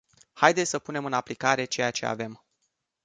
Haideți să punem în aplicare ceea ce avem.